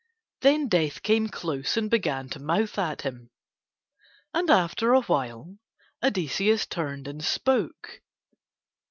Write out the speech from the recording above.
Then Death came close and began to mouth at him. And after a while Odysseus turned and spoke.